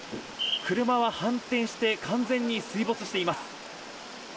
車は反転して、完全に水没しています。